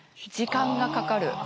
時間がかかる。